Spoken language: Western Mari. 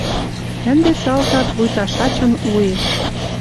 Ӹнде салтак, вуйта шачын уэш